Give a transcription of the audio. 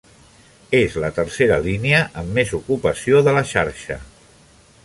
És la tercera línia amb més ocupació de la xarxa.